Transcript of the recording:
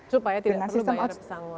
supaya tidak perlu bayar pesangon